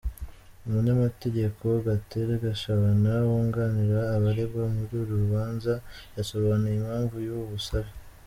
Umunyamategeko Gatera Gashabana, wunganira abaregwa muri uru rubanza, yasobanuye impamvu y'ubu busabe.